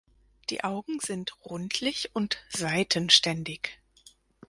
Die Augen sind rundlich und seitenständig.